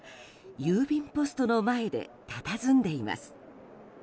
郵便ポストの前でたたずんでいます。